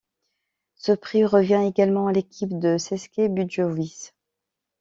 Ce prix revient également à l’équipe de Ceské Budějovice.